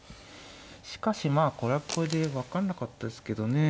しかしまあこれはこれで分かんなかったですけどね。